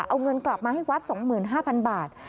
เอาเงินกลับมาให้วัด๒๕๐๐๐บาท